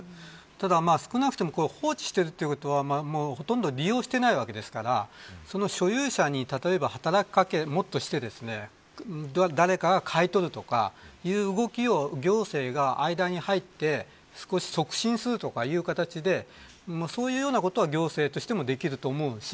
ただ、少なくとも放置しているということはほとんど利用していないわけですからその所有者に働き掛けをもっとして誰かが買い取るとかそういう動きを行政が間に入って少し促進するという形でそういうようなことは行政としてはできると思うし。